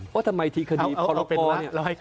ว่าทำไมที่คดีพลก